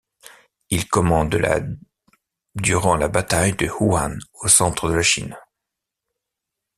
Il commande la durant la bataille de Wuhan au centre de la Chine.